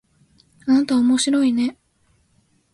あなたおもしろいね